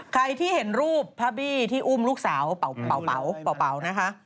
ใครที่เห็นรูปพระบี้ที่อุ้มลูกสาวเป่านะคะ